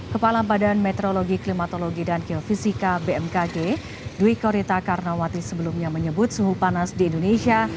kepala badan meteorologi klimatologi dan geofisika bmkg dwi korita karnawati sebelumnya menyebut suhu panas di indonesia